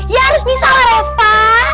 ya harus bisa lah reva